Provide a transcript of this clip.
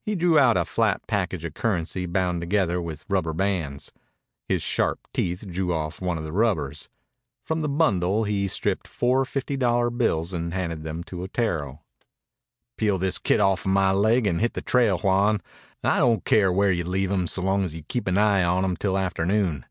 He drew out a flat package of currency bound together with rubber bands. His sharp teeth drew off one of the rubbers. From the bundle he stripped four fifty dollar bills and handed them to Otero. "Peel this kid off'n my leg and hit the trail, Juan. I don' care where you leave him so long as you keep an eye on him till afternoon."